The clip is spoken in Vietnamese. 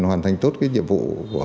hoàn thành tốt nhiệm vụ